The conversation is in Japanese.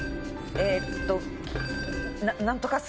えーっと。